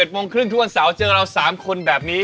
โมงครึ่งทุกวันเสาร์เจอเรา๓คนแบบนี้